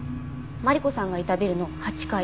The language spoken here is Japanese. マリコさんがいたビルの８階。